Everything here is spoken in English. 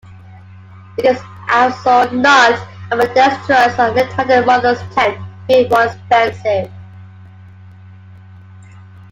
It is also not ambidextrous, and left-handed models tend to be more expensive.